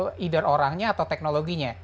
either orangnya atau teknologinya